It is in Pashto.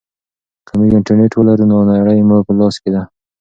که موږ انټرنیټ ولرو نو نړۍ مو په لاس کې ده.